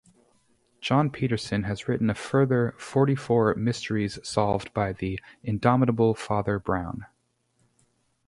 John Peterson has written a further forty-four mysteries solved by the indomitable Father Brown.